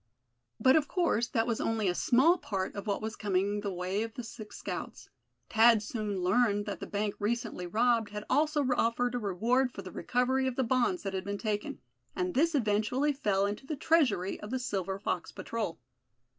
But of course that was only a small part of what was coming the way of the six scouts. Thad soon learned that the bank recently robbed had also offered a reward for the recovery of the bonds that had been taken; and this eventually fell into the treasury of the Silver Fox Patrol.